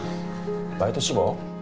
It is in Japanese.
バイト志望？